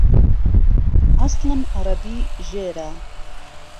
عەسڵم عهرهبی ژێره